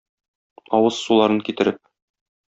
Авыз суларын китереп...